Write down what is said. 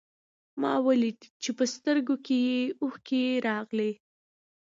ما وليده چې په سترګو کې يې اوښکې راغلې.